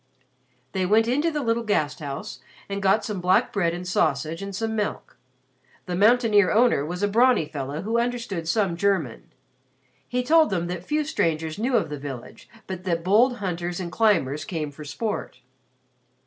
They went into the little Gasthaus and got some black bread and sausage and some milk. The mountaineer owner was a brawny fellow who understood some German. He told them that few strangers knew of the village but that bold hunters and climbers came for sport.